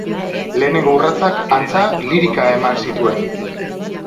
Lehenengo urratsak, antza, lirika eman zituen.